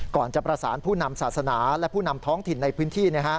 ก่อนจะประสานผู้นำศาสนาและผู้นำท้องถิ่นในพื้นที่